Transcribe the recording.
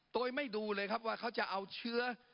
โดยไม่ดูเลยครับว่าเขาจะเอาเชื้อ